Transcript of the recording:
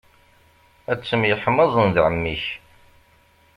Ad temyeḥmaẓeḍ d ɛemmi-k.